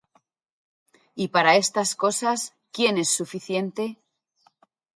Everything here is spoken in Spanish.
Y para estas cosas ¿quién es suficiente?